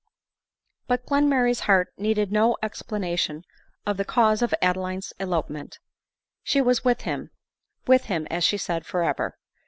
But Glenmurray's heart needed no explanation of the cause of Adeline's elopement. She was with him — with him, as she said, for ever.